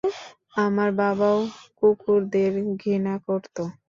আমার বাবাও কুকুরদের ঘৃণা করতো।